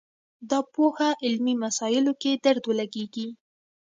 دا پوهه علمي مسایلو کې درد ولګېږي